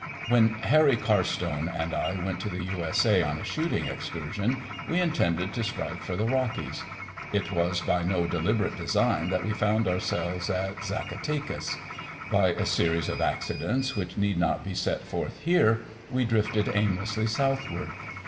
When Harry Carstone and I went to the TJ. S. A. on a shooting excursion, we intended to strike for the Kockies. It was by no deliberate design that we found ourselves at Zacatecas. By a series of accidents which need not be set forth here, we drifted aimlessly south ward.